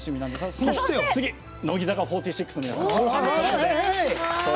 そして次、乃木坂４６の皆さん。